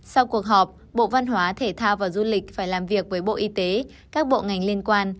sau cuộc họp bộ văn hóa thể thao và du lịch phải làm việc với bộ y tế các bộ ngành liên quan